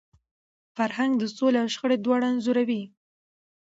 فرهنګ د سولي او شخړي دواړه انځوروي.